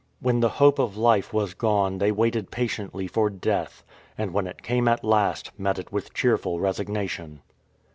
When the hope of life was gone they waited patiently for death, and when it came at last met it with cheerful resignation.